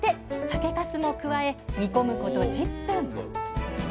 酒かすも加え煮込むこと１０分。